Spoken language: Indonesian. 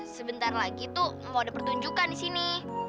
sebentar lagi tuh mau ada pertunjukan disini